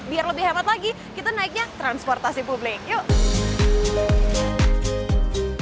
biar lebih hemat lagi kita naiknya transportasi publik yuk